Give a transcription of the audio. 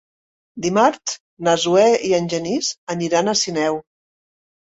Dimarts na Zoè i en Genís aniran a Sineu.